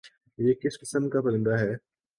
یہ کس قِسم کا پرندہ ہے؟